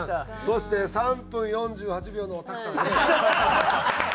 そして３分４８秒の拓さん。